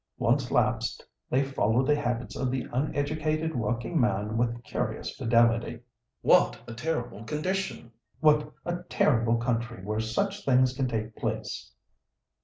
Once lapsed, they follow the habits of the uneducated working man with curious fidelity." "What a terrible condition! What a terrible country where such things can take place!"